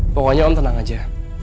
pokoknya om tenang aja